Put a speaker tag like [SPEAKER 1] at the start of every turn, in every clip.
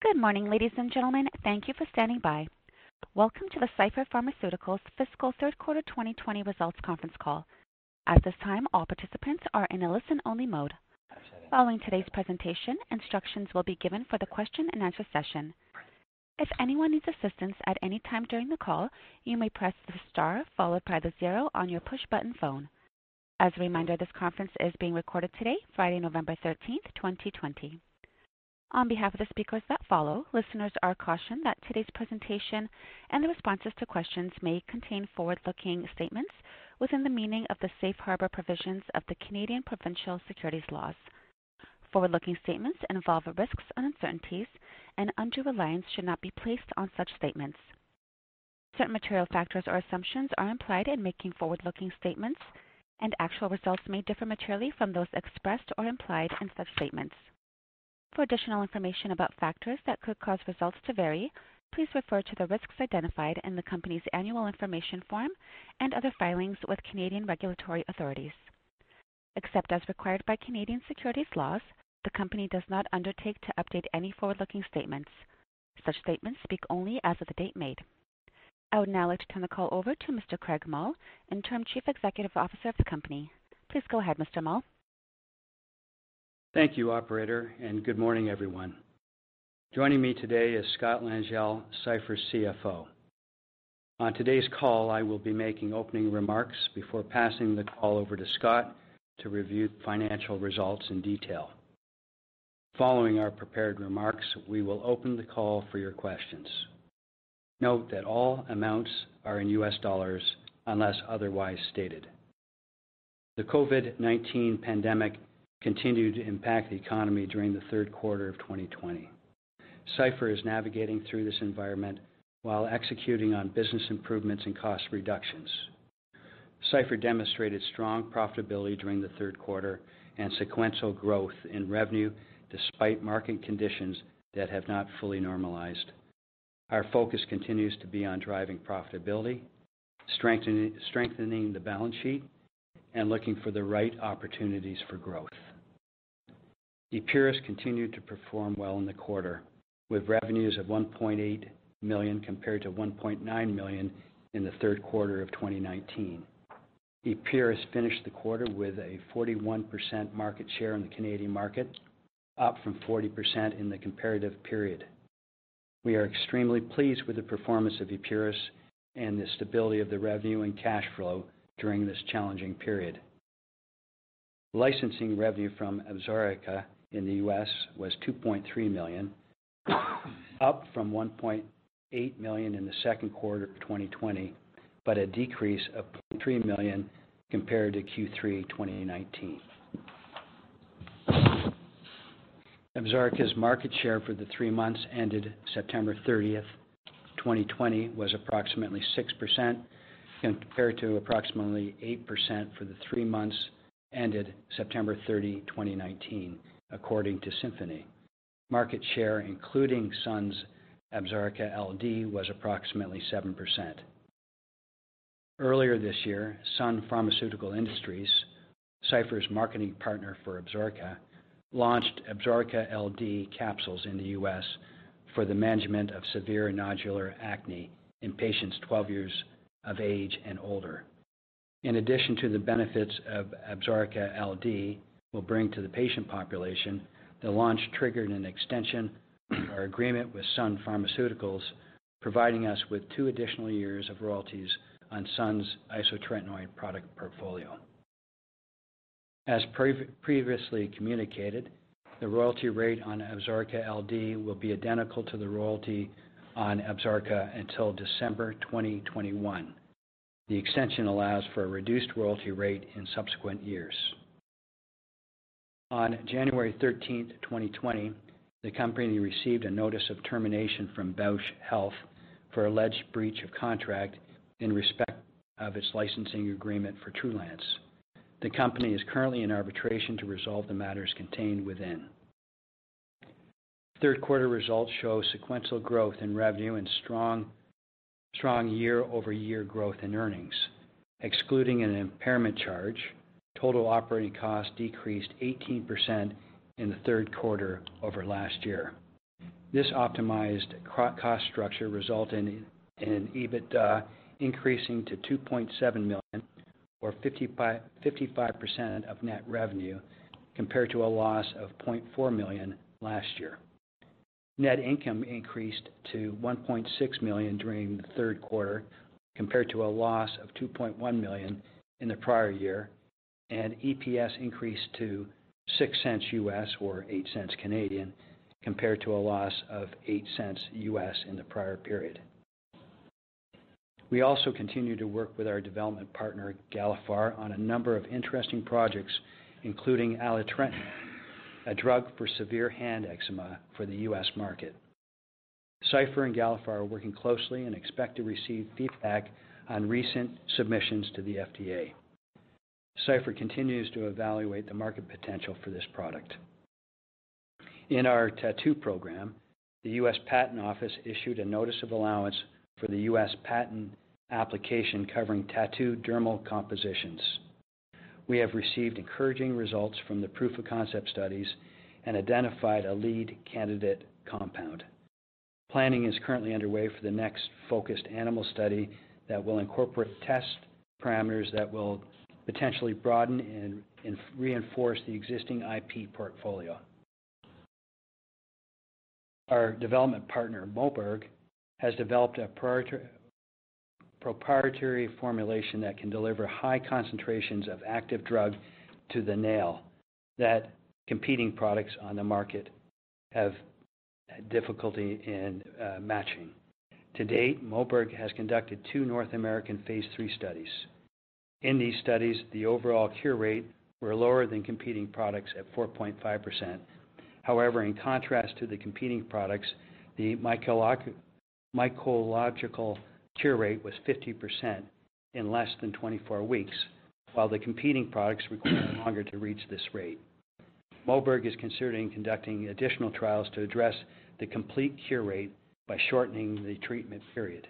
[SPEAKER 1] Good morning, ladies and gentlemen. Thank you for standing by. Welcome to the Cipher Pharmaceuticals Fiscal Third Quarter 2020 results conference call. At this time, all participants are in a listen-only mode. Following today's presentation, instructions will be given for the question-and-answer session. If anyone needs assistance at any time during the call, you may press the star followed by the zero on your push-button phone. As a reminder, this conference is being recorded today, Friday, November 13th, 2020. On behalf of the speakers that follow, listeners are cautioned that today's presentation and the responses to questions may contain forward-looking statements within the meaning of the safe harbor provisions of the Canadian provincial securities laws. Forward-looking statements involve risks and uncertainties, and undue reliance should not be placed on such statements. Certain material factors or assumptions are implied in making Forward-looking statements, and actual results may differ materially from those expressed or implied in such statements. For additional information about factors that could cause results to vary, please refer to the risks identified in the company's Annual Information Form and other filings with Canadian regulatory authorities. Except as required by Canadian securities laws, the company does not undertake to update any Forward-looking statements. Such statements speak only as of the date made. I would now like to turn the call over to Mr. Craig Mull, Interim Chief Executive Officer of the company. Please go ahead, Mr. Mull.
[SPEAKER 2] Thank you, Operator, and good morning, everyone. Joining me today is Scott Langille, Cipher CFO. On today's call, I will be making opening remarks before passing the call over to Scott to review financial results in detail. Following our prepared remarks, we will open the call for your questions. Note that all amounts are in U.S. dollars unless otherwise stated. The COVID-19 pandemic continued to impact the economy during the third quarter of 2020. Cipher is navigating through this environment while executing on business improvements and cost reductions. Cipher demonstrated strong profitability during the third quarter and sequential growth in revenue despite market conditions that have not fully normalized. Our focus continues to be on driving profitability, strengthening the balance sheet, and looking for the right opportunities for growth. Epuris continued to perform well in the quarter, with revenues of 1.8 million compared to 1.9 million in the third quarter of 2019. Epuris finished the quarter with a 41% market share in the Canadian market, up from 40% in the comparative period. We are extremely pleased with the performance of Epuris and the stability of the revenue and cash flow during this challenging period. Licensing revenue from Absorica in the U.S. was 2.3 million, up from 1.8 million in the second quarter of 2020, but a decrease of 3 million compared to Q3 2019. Absorica's market share for the three months ended September 30th, 2020, was approximately 6% compared to approximately 8% for the three months ended September 30, 2019, according to Symphony. Market share, including Sun's Absorica LD, was approximately 7%. Earlier this year, Sun Pharmaceutical Industries, Cipher's marketing partner for Absorica, launched Absorica LD capsules in the U.S. for the management of severe nodular acne in patients 12 years of age and older. In addition to the benefits of Absorica LD we'll bring to the patient population, the launch triggered an extension or agreement with Sun Pharmaceuticals, providing us with two additional years of royalties on Sun's isotretinoin product portfolio. As previously communicated, the royalty rate on Absorica LD will be identical to the royalty on Absorica until December 2021. The extension allows for a reduced royalty rate in subsequent years. On January 13th, 2020, the company received a notice of termination from Bausch Health for alleged breach of contract in respect of its licensing agreement for Trulance. The company is currently in arbitration to resolve the matters contained within. Third quarter results show sequential growth in revenue and strong year-over-year growth in earnings. Excluding an impairment charge, total operating costs decreased 18% in the third quarter over last year. This optimized cost structure resulted in an EBITDA increasing to 2.7 million, or 55% of net revenue, compared to a loss of 0.4 million last year. Net income increased to 1.6 million during the third quarter, compared to a loss of 2.1 million in the prior year, and EPS increased to $0.06, or 0.08, compared to a loss of $0.08 in the prior period. We also continue to work with our development partner, Galephar, on a number of interesting projects, including alitretinoin, a drug for severe hand eczema for the U.S. market. Cipher and Galephar are working closely and expect to receive feedback on recent submissions to the FDA. Cipher continues to evaluate the market potential for this product. In our tattoo program, the U.S. Patent Office issued a notice of allowance for the U.S. patent application covering tattoo dermal compositions. We have received encouraging results from the proof‑of‑concept studies and identified a lead candidate compound. Planning is currently underway for the next focused animal study that will incorporate test parameters that will potentially broaden and reinforce the existing IP portfolio. Our development partner, Moberg, has developed a proprietary formulation that can deliver high concentrations of active drug to the nail that competing products on the market have difficulty in matching. To date, Moberg has conducted two North American Phase 3 studies. In these studies, the overall cure rate was lower than competing products at 4.5%. However, in contrast to the competing products, the mycological cure rate was 50% in less than 24 weeks, while the competing products required longer to reach this rate. Moberg is considering conducting additional trials to address the complete cure rate by shortening the treatment period.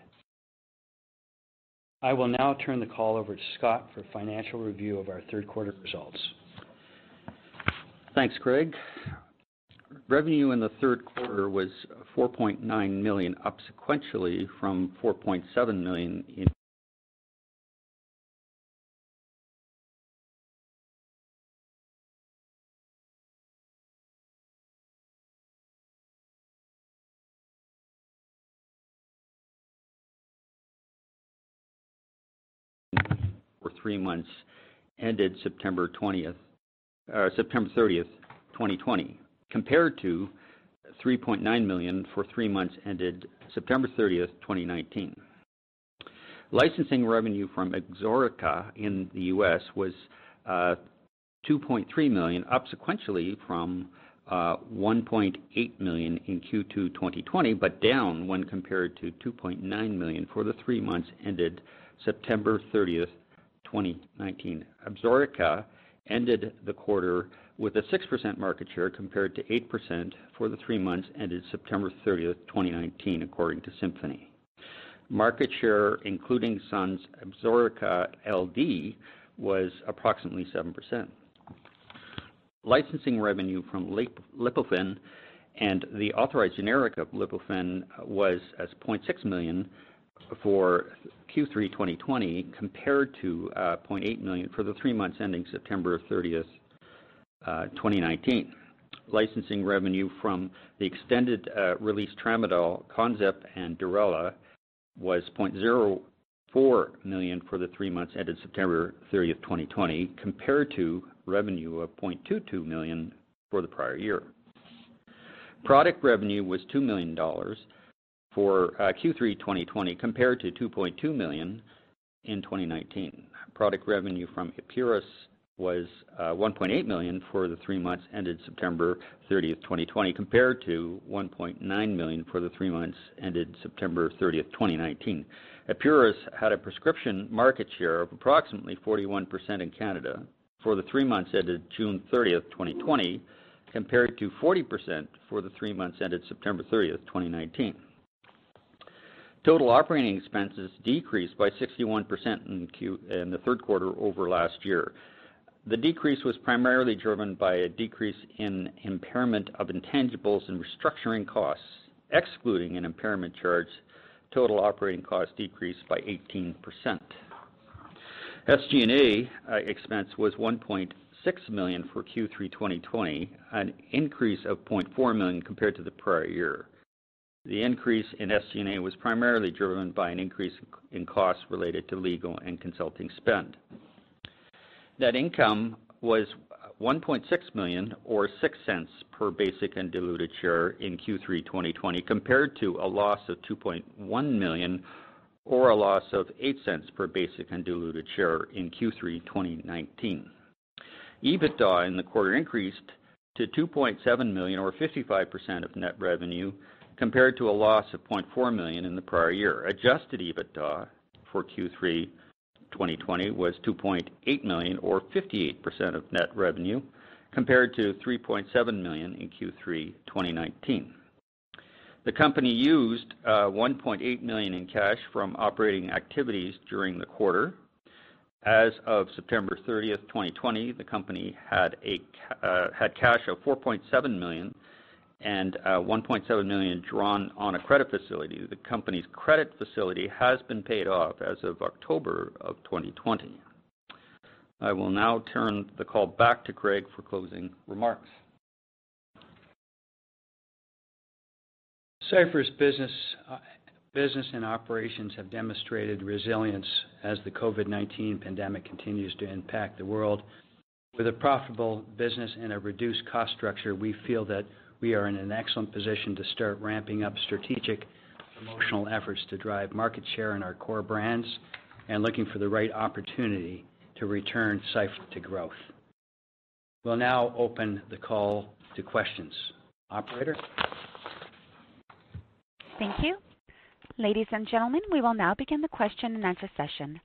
[SPEAKER 2] I will now turn the call over to Scott for financial review of our third quarter results.
[SPEAKER 3] Thanks, Craig. Revenue in the third quarter was 4.9 million up sequentially from 4.7 million.
[SPEAKER 2] For the three months ended September 30th, 2020, compared to 3.9 million for the three months ended September 30th, 2019. Licensing revenue from Absorica in the U.S. was 2.3 million up sequentially from 1.8 million in Q2 2020, but down when compared to 2.9 million for the three months ended September 30th, 2019. Absorica ended the quarter with a 6% market share compared to 8% for the three months ended September 30th, 2019, according to Symphony. Market share, including Sun's Absorica LD, was approximately 7%. Licensing revenue from Lipofen and the authorized generic of Lipofen was 0.6 million for Q3 2020, compared to 0.8 million for the three months ending September 30th, 2019. Licensing revenue from the extended-release tramadol, Conzip, and Durela was 0.04 million for the three months ended September 30th, 2020, compared to revenue of 0.22 million for the prior year. Product revenue was $2 million for Q3 2020, compared to $2.2 million in 2019. Product revenue from Epuris was $1.8 million for the three months ended September 30th, 2020, compared to $1.9 million for the three months ended September 30th, 2019. Epuris had a prescription market share of approximately 41% in Canada for the three months ended June 30th, 2020, compared to 40% for the three months ended September 30th, 2019. Total operating expenses decreased by 61% in the third quarter over last year. The decrease was primarily driven by a decrease in impairment of intangibles and restructuring costs. Excluding an impairment charge, total operating costs decreased by 18%. SG&A expense was $1.6 million for Q3 2020, an increase of $0.4 million compared to the prior year. The increase in SG&A was primarily driven by an increase in costs related to legal and consulting spend. That income was 1.6 million, or 0.06 per basic and diluted share in Q3 2020, compared to a loss of 2.1 million or a loss of 0.08 per basic and diluted share in Q3 2019. EBITDA in the quarter increased to 2.7 million, or 55% of net revenue, compared to a loss of 0.4 million in the prior year. Adjusted EBITDA for Q3 2020 was 2.8 million, or 58% of net revenue, compared to 3.7 million in Q3 2019. The company used 1.8 million in cash from operating activities during the quarter. As of September 30th, 2020, the company had cash of 4.7 million and 1.7 million drawn on a credit facility. The company's credit facility has been paid off as of October of 2020. I will now turn the call back to Craig for closing remarks. Cipher's business and operations have demonstrated resilience as the COVID-19 pandemic continues to impact the world. With a profitable business and a reduced cost structure, we feel that we are in an excellent position to start ramping up strategic promotional efforts to drive market share in our core brands and looking for the right opportunity to return Cipher to growth. We'll now open the call to questions. Operator.
[SPEAKER 1] Thank you. Ladies and gentlemen, we will now begin the question and answer session.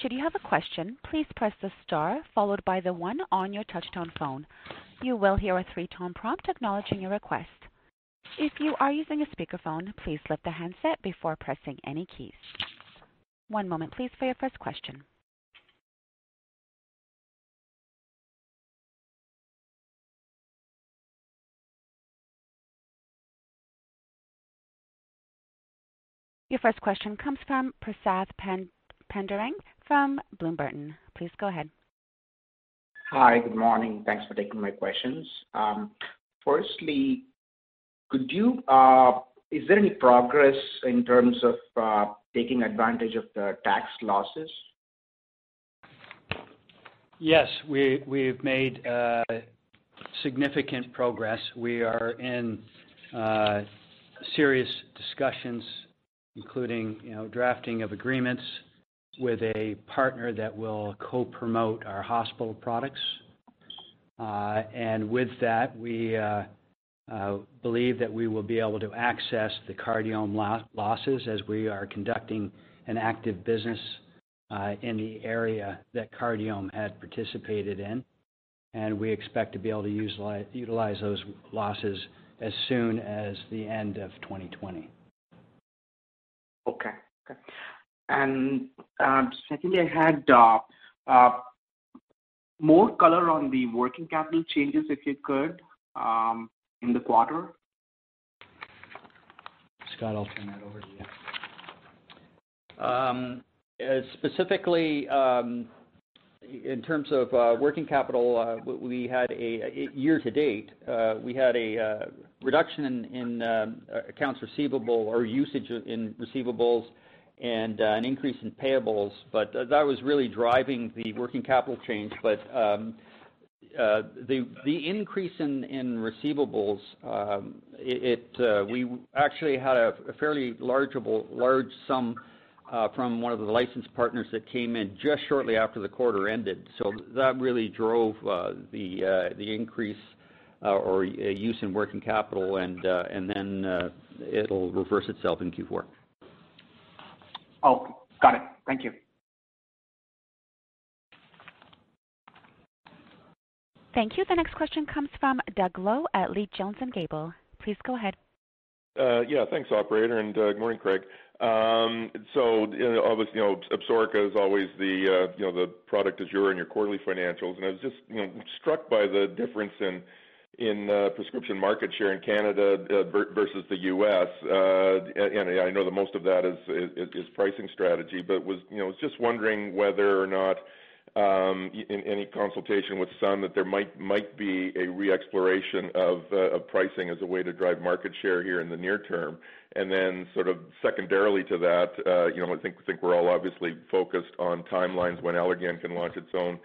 [SPEAKER 1] Should you have a question, please press the star followed by the one on your touch-tone phone. You will hear a three-tone prompt acknowledging your request. If you are using a speakerphone, please lift the handset before pressing any keys. One moment, please, for your first question. Your first question comes from Prasath Pandurangan from Bloom Burton. Please go ahead.
[SPEAKER 4] Hi, good morning. Thanks for taking my questions. Firstly, is there any progress in terms of taking advantage of the tax losses?
[SPEAKER 2] Yes, we've made significant progress. We are in serious discussions, including drafting of agreements with a partner that will co-promote our hospital products. And with that, we believe that we will be able to access the Cardiome losses as we are conducting an active business in the area that Cardiome had participated in. And we expect to be able to utilize those losses as soon as the end of 2020.
[SPEAKER 4] Okay, and I think I had more color on the working capital changes, if you could, in the quarter.
[SPEAKER 2] Scott will turn that over to you.
[SPEAKER 3] Specifically, in terms of working capital, we had a year-to-date we had a reduction in accounts receivable or usage in receivables and an increase in payables. But that was really driving the working capital change but the increase in receivables we actually had a fairly large sum from one of the licensed partners that came in just shortly after the quarter ended so that really drove the increase or use in working capital and then it'll reverse itself in Q4.
[SPEAKER 4] Oh, got it. Thank you.
[SPEAKER 1] Thank you. The next question comes from Doug Loe at Leede Jones Gable. Please go ahead.
[SPEAKER 5] Yeah, thanks, Operator. And good morning, Craig. So obviously, Absorica is always the product as you're in your quarterly financials. And I was just struck by the difference in prescription market share in Canada versus the U.S.. And I know that most of that is pricing strategy. But I was just wondering whether or not, in any consultation with Sun, that there might be a re-exploration of pricing as a way to drive market share here in the near term. And then sort of secondarily to that, I think we're all obviously focused on timelines when Allergan can launch its own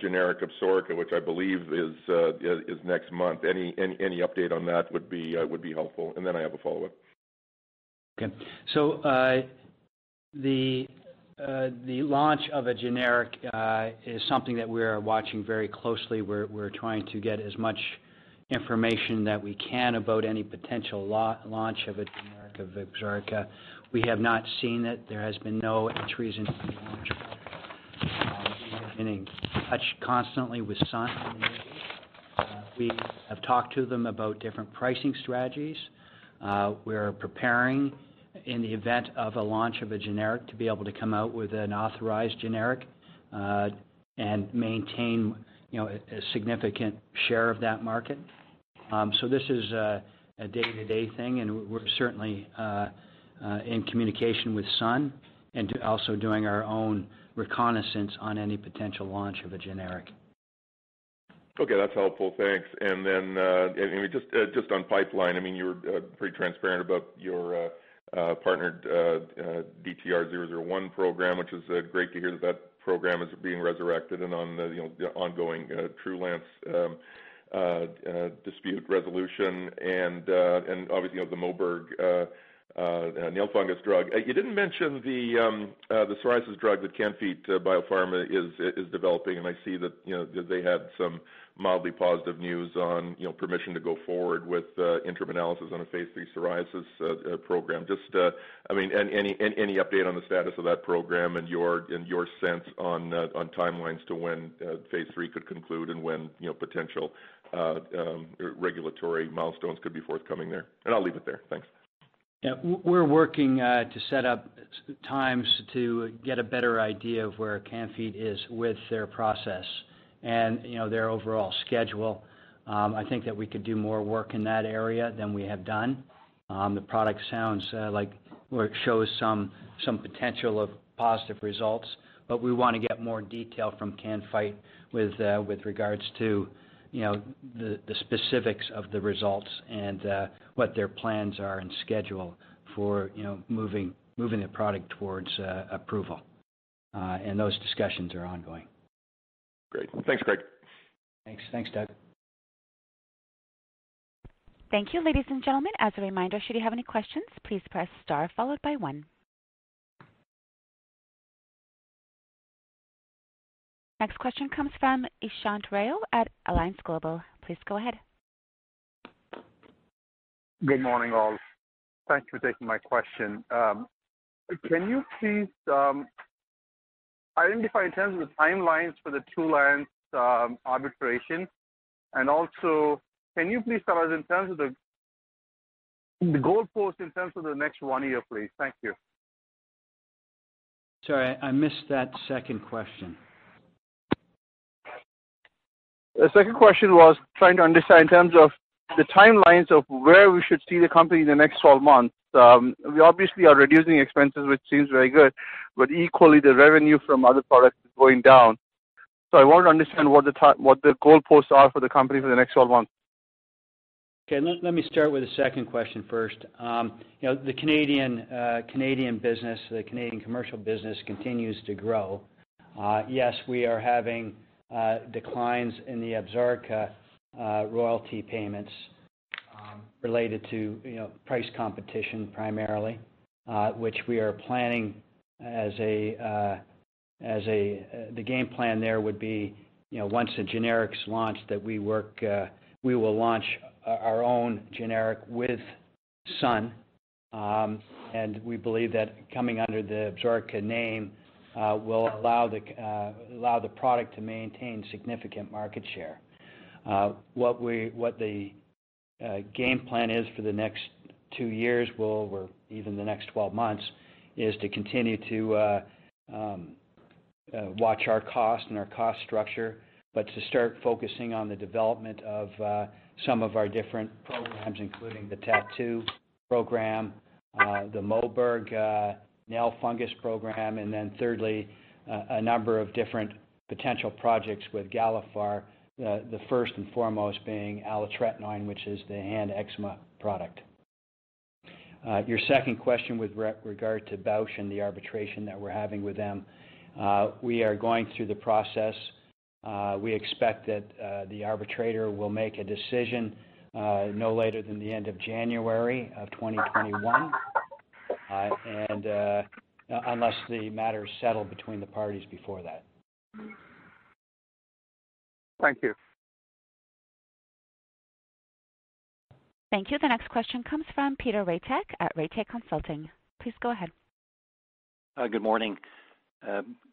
[SPEAKER 5] generic of Absorica, which I believe is next month. Any update on that would be helpful. And then I have a follow-up.
[SPEAKER 2] Okay, so the launch of a generic is something that we're watching very closely. We're trying to get as much information that we can about any potential launch of a generic of Absorica. We have not seen it. There has been no entries into the Orange Book. We have been in touch constantly with Sun. We have talked to them about different pricing strategies. We're preparing, in the event of a launch of a generic, to be able to come out with an authorized generic and maintain a significant share of that market. So this is a day-to-day thing, and we're certainly in communication with Sun and also doing our own reconnaissance on any potential launch of a generic.
[SPEAKER 5] Okay. That's helpful. Thanks. And then just on pipeline, I mean, you were pretty transparent about your partnered DTR-001 program, which is great to hear that that program is being resurrected and on the ongoing Trulance dispute resolution. And obviously, the Moberg nail fungus drug. You didn't mention the psoriasis drug that Can-Fite BioPharma is developing. And I see that they had some mildly positive news on permission to go forward with interim analysis on a Phase 3 psoriasis program. Just, I mean, any update on the status of that program and your sense on timelines to when Phase 3 could conclude and when potential regulatory milestones could be forthcoming there? And I'll leave it there. Thanks.
[SPEAKER 2] Yeah. We're working to set up times to get a better idea of where Can-Fite is with their process and their overall schedule. I think that we could do more work in that area than we have done. The product sounds like it shows some potential of positive results. But we want to get more detail from Can-Fite with regards to the specifics of the results and what their plans are and schedule for moving the product towards approval. And those discussions are ongoing.
[SPEAKER 5] Great. Thanks, Craig.
[SPEAKER 2] Thanks. Thanks, Doug.
[SPEAKER 1] Thank you. Ladies and gentlemen, as a reminder, should you have any questions, please press star followed by one. Next question comes from Eshant Rao at Alliance Global. Please go ahead. Good morning, all. Thanks for taking my question. Can you please identify in terms of the timelines for the Trulance arbitration? And also, can you please tell us in terms of the goal post in terms of the next one year, please? Thank you.
[SPEAKER 2] Sorry, I missed that second question. The second question was trying to understand in terms of the timelines of where we should see the company in the next 12 months. We obviously are reducing expenses, which seems very good. But equally, the revenue from other products is going down. So I want to understand what the goal posts are for the company for the next 12 months. Okay. Let me start with the second question first. The Canadian business, the Canadian commercial business, continues to grow. Yes, we are having declines in the Absorica royalty payments related to price competition primarily, which we are planning as the game plan there would be once the generics launch that we will launch our own generic with Sun. And we believe that coming under the Absorica name will allow the product to maintain significant market share. What the game plan is for the next two years, or even the next 12 months, is to continue to watch our cost and our cost structure, but to start focusing on the development of some of our different programs, including the Tattoo program, the Moberg nail fungus program, and then thirdly, a number of different potential projects with Galephar, the first and foremost being Alitretinoin, which is the hand eczema product. Your second question with regard to Bausch and the arbitration that we're having with them. We are going through the process. We expect that the arbitrator will make a decision no later than the end of January of 2021, unless the matter is settled between the parties before that. Thank you.
[SPEAKER 1] Thank you. The next question comes from Peter Rytych at Rytych Consulting. Please go ahead. Good morning,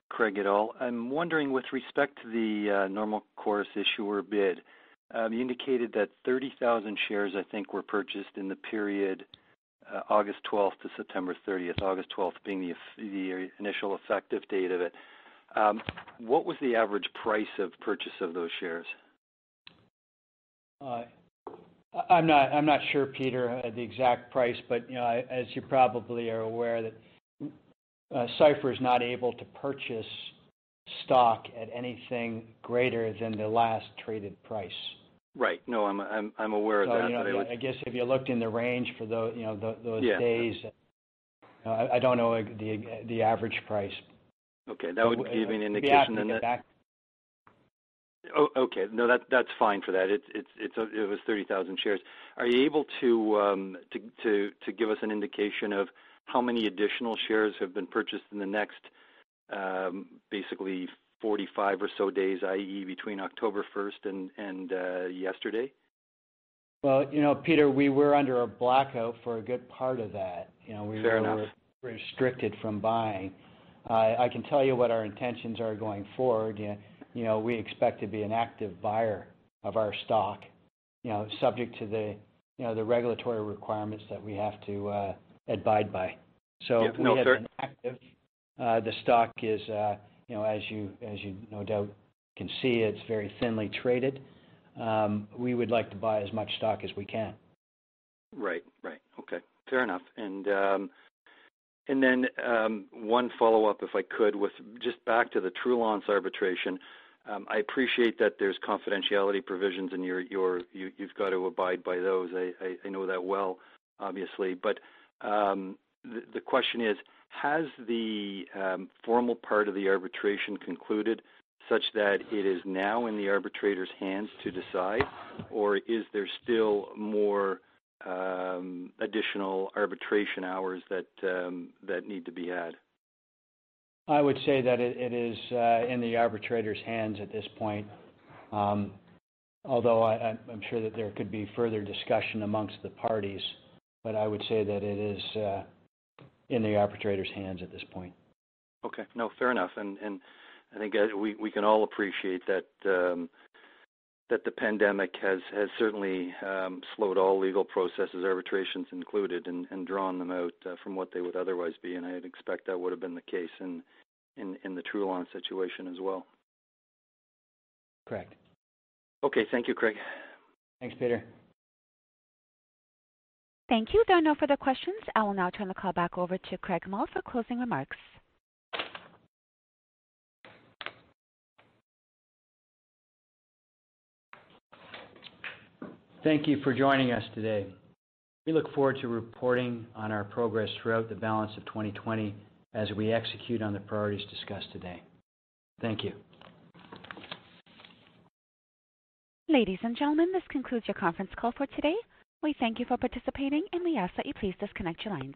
[SPEAKER 1] Craig et al. I'm wondering with respect to the Normal Course Issuer Bid. You indicated that 30,000 shares, I think, were purchased in the period August 12th to September 30th, August 12th being the initial effective date of it. What was the average price of purchase of those shares?
[SPEAKER 2] I'm not sure, Peter, the exact price. But as you probably are aware, Cipher is not able to purchase stock at anything greater than the last traded price. Right. No, I'm aware of that. I guess if you looked in the range for those days, I don't know the average price. Okay. That would give you an indication then. I don't know exactly.
[SPEAKER 3] Okay. No, that's fine for that. It was 30,000 shares. Are you able to give us an indication of how many additional shares have been purchased in the next, basically, 45 or so days, i.e., between October 1st and yesterday?
[SPEAKER 2] Well, Peter, we were under a blackout for a good part of that. We were restricted from buying. I can tell you what our intentions are going forward. We expect to be an active buyer of our stock, subject to the regulatory requirements that we have to abide by. So we have been active. The stock is, as you no doubt can see, it's very thinly traded. We would like to buy as much stock as we can.
[SPEAKER 3] Right. Right. Okay. Fair enough. And then one follow-up, if I could, with just back to the Trulance arbitration. I appreciate that there's confidentiality provisions and you've got to abide by those. I know that well, obviously. But the question is, has the formal part of the arbitration concluded such that it is now in the arbitrator's hands to decide, or is there still more additional arbitration hours that need to be had?
[SPEAKER 2] I would say that it is in the arbitrator's hands at this point. Although I'm sure that there could be further discussion among the parties, but I would say that it is in the arbitrator's hands at this point.
[SPEAKER 3] Okay. No, fair enough, and I think we can all appreciate that the pandemic has certainly slowed all legal processes, arbitrations included, and drawn them out from what they would otherwise be, and I'd expect that would have been the case in the Trulance situation as well.
[SPEAKER 2] Correct.
[SPEAKER 3] Okay. Thank you, Craig.
[SPEAKER 2] Thanks, Peter.
[SPEAKER 1] Thank you. There are no further questions. I will now turn the call back over to Craig Mull for closing remarks.
[SPEAKER 2] Thank you for joining us today. We look forward to reporting on our progress throughout the balance of 2020 as we execute on the priorities discussed today. Thank you.
[SPEAKER 1] Ladies and gentlemen, this concludes your conference call for today. We thank you for participating, and we ask that you please disconnect your lines.